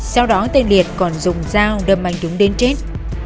sau đó tên liệt còn dùng dao đâm anh đúng đến trên